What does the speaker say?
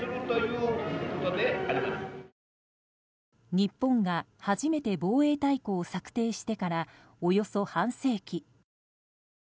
日本が初めて防衛大綱を策定してから、およそ半世紀。